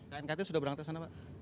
knkt sudah berangkat ke sana pak